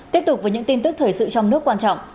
tiếp tục với những tin tức thời sự trong nước quan trọng